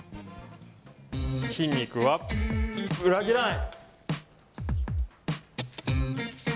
筋肉は裏切らない。